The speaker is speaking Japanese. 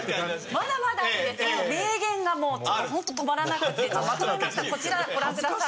まだまだあるんです名言がもうホント止まらなくてまとめましたこちらご覧ください。